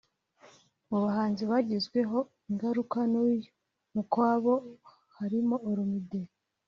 Mu bahanzi bagizweho ingaruka n’uyu mukwabo harimo Olamide